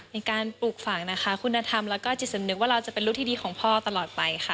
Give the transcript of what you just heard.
ในการปลูกฝังนะคะคุณธรรมแล้วก็จิตสำนึกว่าเราจะเป็นลูกที่ดีของพ่อตลอดไปค่ะ